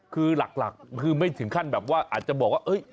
คือหลักคือไม่ถึงขั้นแบบว่าอาจจะบอกว่า